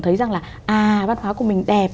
thấy rằng là à văn hóa của mình đẹp